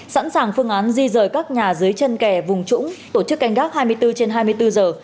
sẵn sàng phương án di rời các nhà dưới chân kè vùng trũng tổ chức canh gác hai mươi bốn trên hai mươi bốn giờ